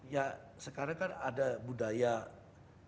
ya sekarang kan ada budaya